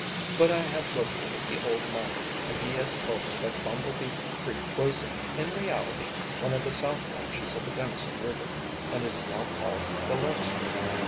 But I have located the old miner, and he has told me that Bumble Bee Creek was in reality one of the south branches of the Gunnison River, and is now called the Larkspur.